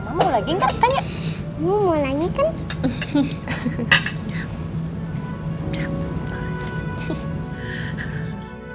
sampai jumpa di video selanjutnya